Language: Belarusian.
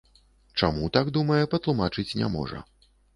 Чаму так думае, патлумачыць не можа.